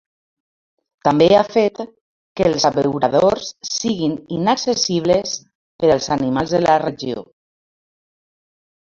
També ha fet que els abeuradors siguin inaccessibles per als animals de la regió.